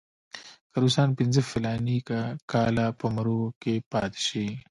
که روسان پنځه فلاني کاله په مرو کې پاتې شي.